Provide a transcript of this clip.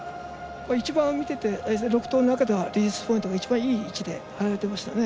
見ていて６投の中では一番いい位置でリリースポイントが一番いい位置で離れてましたね。